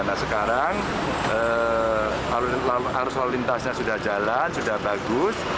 nah sekarang arus lalu lintasnya sudah jalan sudah bagus